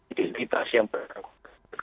identifikasi yang beropera